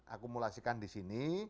akumulasikan di sini